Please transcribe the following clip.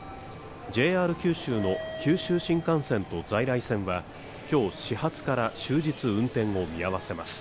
ＪＲ九州の九州新幹線と在来線は今日始発から終日運転を見合わせます。